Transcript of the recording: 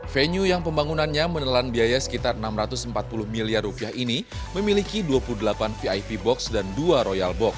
venue yang pembangunannya menelan biaya sekitar enam ratus empat puluh miliar rupiah ini memiliki dua puluh delapan vip box dan dua royal box